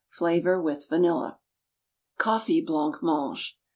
Flavor with vanilla. Coffee Blanc mange.